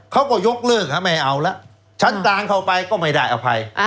เขาก็ยกเลิกไม่เอาละชั้นกลางเข้าไปก็ไม่ได้อภัย